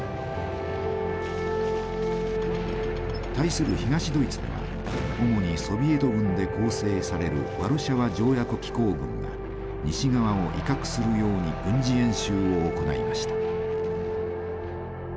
対する東ドイツでは主にソビエト軍で構成されるワルシャワ条約機構軍が西側を威嚇するように軍事演習を行いました。